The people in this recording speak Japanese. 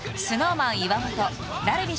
ＳｎｏｗＭａｎ岩本樽美